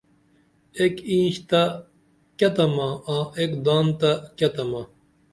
ایک اینچ تہ کیہ تمہ آں ایک دان تہ کیہ تمہ